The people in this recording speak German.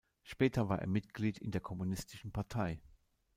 Später war er Mitglied in der Kommunistischen Partei.